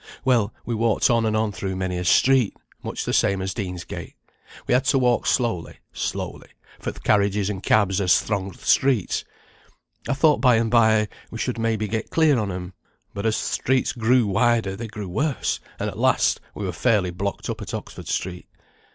Well, we walked on and on through many a street, much the same as Deansgate. We had to walk slowly, slowly, for th' carriages an' cabs as thronged th' streets. I thought by and bye we should may be get clear on 'em, but as th' streets grew wider they grew worse, and at last we were fairly blocked up at Oxford Street.